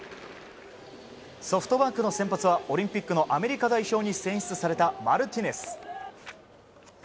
ソフトバンクの先発はオリンピックのアメリカ代表に選出されたマルティネス。